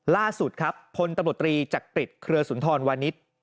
ล่าสุดครับพลตำรวจตรีจากติดเคลือสุนทรวรณิชย์